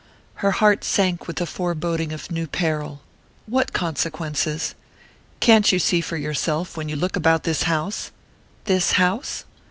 Her heart sank with a foreboding of new peril. "What consequences?" "Can't you see for yourself when you look about this house?" "This house